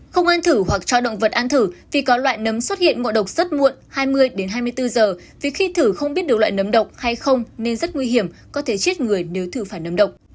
không an thử hoặc cho động vật an thử vì có loại nấm xuất hiện ngộ độc rất muộn hai mươi hai mươi bốn giờ vì khi thử không biết được loại nấm động hay không nên rất nguy hiểm có thể chết người nếu thử phải nấm độc